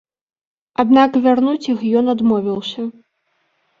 Аднак вярнуць іх ён адмовіўся.